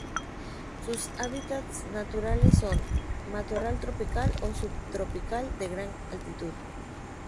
Sus hábitats naturales son: matorral tropical o subtropical de gran altitud.